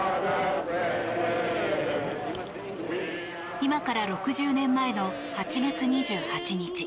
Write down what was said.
今から６０年前の８月２８日。